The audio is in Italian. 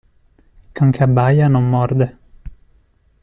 Can che abbaia non morde.